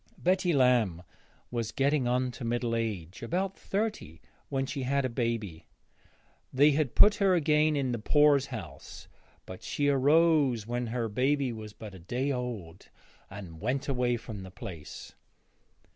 Betty Lamb was getting on to middle age, about thirty, when she had a baby. They had put her again in the poorshouse, but she rose when her baby was but a day old and went away from the place.